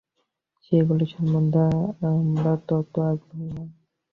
সেগুলি সম্বন্ধে আমরা তত আগ্রহ নাই।